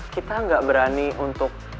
kita gak berani untuk